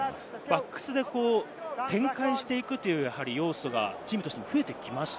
バックスで展開していくという要素がチームとして増えてきました？